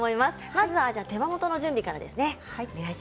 まずは手羽元の準備からですね。